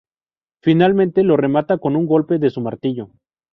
Finalmente lo remata con un golpe de su martillo.